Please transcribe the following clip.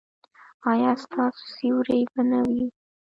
ایا ستاسو سیوری به نه وي؟